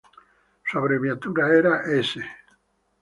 Su abreviatura era "s.